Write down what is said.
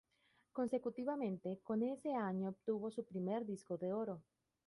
Consecutivamente en ese año obtuvo su primer disco de oro.